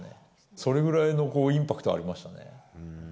それぐらいのインパクトありまし